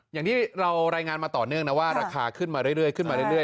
อย่างที่เรารายงานมาต่อเนื่องนะว่าราคาขึ้นมาเรื่อย